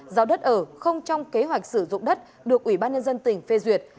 giao đất ở không trong kế hoạch sử dụng đất được ủy ban nhân dân tỉnh phê duyệt